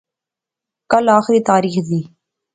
کل آھری تاریخ ذی